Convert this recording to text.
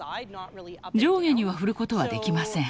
上下には振ることはできません。